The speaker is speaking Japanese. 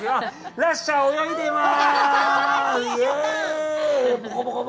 ラッシャー泳いでいます！